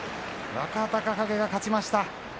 若隆景が勝ちました。